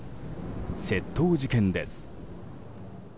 窃盗事件です。